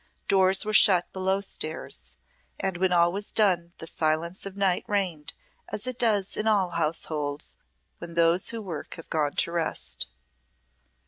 Doors were shut below stairs, and when all was done the silence of night reigned as it does in all households when those who work have gone to rest.